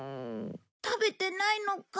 食べてないのか。